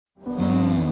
うん。